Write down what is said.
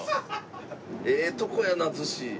ええとこやな逗子。